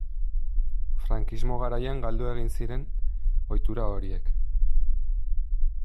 Frankismo garaian galdu egin ziren ohitura horiek.